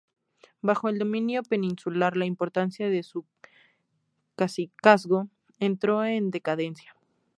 Bajo el dominio peninsular, la importancia de su cacicazgo entró en decadencia.